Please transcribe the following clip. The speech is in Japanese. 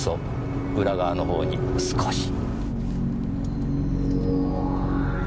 裏側の方に少し。